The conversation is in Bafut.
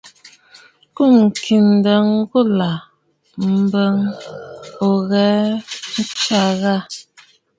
Kùm kɛʼɛ̂ ǹdə̀ ghulà m̀bə ò khə̂ ǹtsya ghâ?